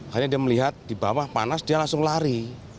hanya dia melihat di bawah panas dia langsung lari